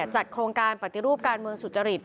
จัดโครงการปฏิรูปการเมืองสุจริต